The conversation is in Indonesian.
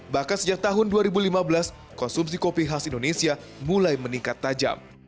bahkan sejak tahun dua ribu lima belas konsumsi kopi khas indonesia mulai meningkat tajam